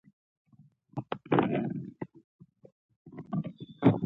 پتلون یې یو ځای پروت و.